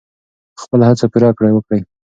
خپله هڅه پوره وکړئ.